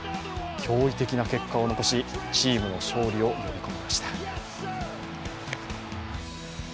驚異的な結果を残し、チームの勝利を呼び込みました。